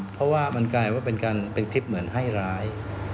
เพราะว่ามันกลายว่าเป็นคลิปเหมือนให้ร้าย